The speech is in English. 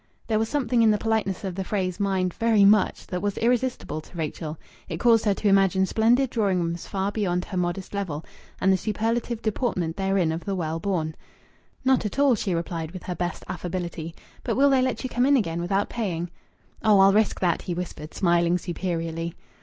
There was something in the politeness of the phrase "mind very much" that was irresistible to Rachel. It caused her to imagine splendid drawing rooms far beyond her modest level, and the superlative deportment therein of the well born. "Not at all!" she replied, with her best affability. "But will they let you come in again without paying?" "Oh, I'll risk that," he whispered, smiling superiorly.